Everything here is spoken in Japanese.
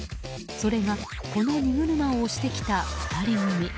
それがこの荷車を押してきた２人組。